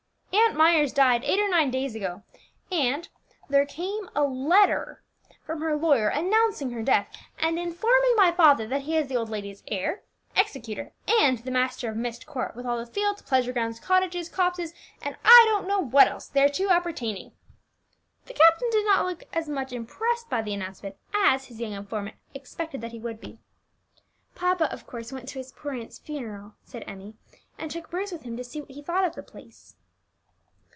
"Aunt Myers died eight or nine days ago and there came a letter from her lawyer announcing her death, and informing my father that he is the old lady's heir, executor, and the master of Myst Court, with all the fields, pleasure grounds, cottages, copses, and I don't know what else thereto appertaining." The captain did not look as much impressed by the announcement as his young informant expected that he would be. "Papa, of course, went to his poor aunt's funeral," said Emmie, "and took Bruce with him to see what he thought of the place."